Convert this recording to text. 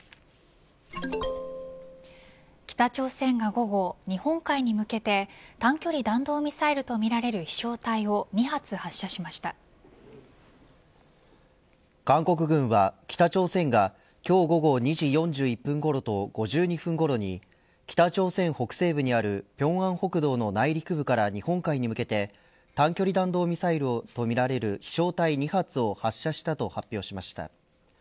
北朝鮮が午後、日本海に向けて短距離弾道ミサイルとみられる飛翔体を韓国軍は北朝鮮が今日午後２時４１分ごろと５２分ごろに北朝鮮北西部にある平安北道の内陸部から日本海に向けて短距離弾道ミサイルとみられる飛翔体２発を発射したと発表しました。